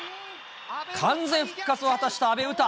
完全復活を果たした阿部詩。